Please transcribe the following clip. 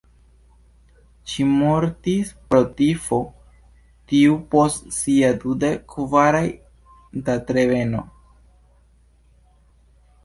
Ŝi mortis pro tifo tuj post sia dudek kvara datreveno.